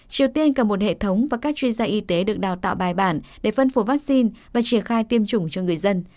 triều tiên cần một hệ thống và các chuyên gia y tế được đào tạo bài bản để phân phối vaccine và triển khai tiêm chủng cho người dân